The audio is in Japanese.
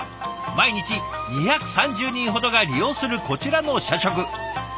毎日２３０人ほどが利用するこちらの社食。